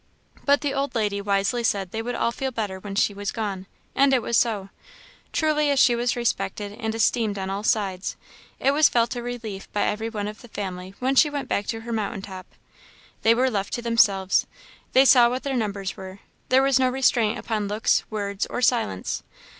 But the old lady wisely said they would all feel better when she was gone; and it was so. Truly as she was respected and esteemed on all sides, it was felt a relief by every one of the family when she went back to her mountain top. They were left to themselves; they saw what their numbers were; there was no restraint upon looks, words, or silence.